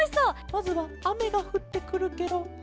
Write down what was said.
まずはあめがふってくるケロ。